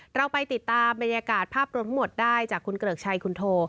เราไปติดตามแม่งอะกาศภาพรวมหมดได้คุณเกลือกชายคุณโท